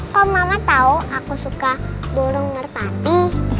kok mama tahu aku suka burung merpati